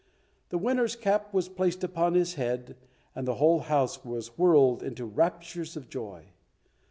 The winner's cap was placed upon his head, and the whole house was whirled into raptures of joy.